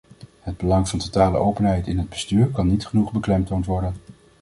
Het belang van totale openheid in het bestuur kan niet genoeg beklemtoond worden.